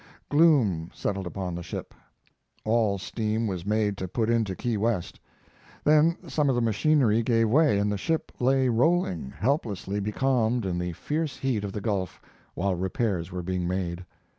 Gloom settled upon the ship. All steam was made to put into Key West. Then some of the machinery gave way and the ship lay rolling, helplessly becalmed in the fierce heat of the Gulf, while repairs were being made.